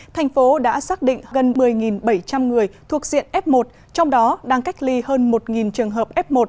thành phố đã xác định gần một mươi bảy trăm linh người thuộc diện f một trong đó đang cách ly hơn một trường hợp f một